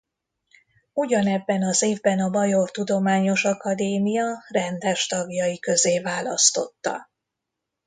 Ugyanebben az évben a Bajor Tudományos Akadémia rendes tagjai közé választotta.